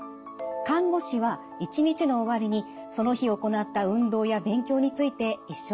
看護師は一日の終わりにその日行った運動や勉強について一緒に振り返ってくれました。